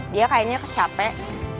dia kayaknya kecapek